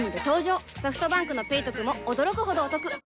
ソフトバンクの「ペイトク」も驚くほどおトク